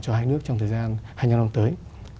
cho hai nước trong thời gian hai mươi năm năm tới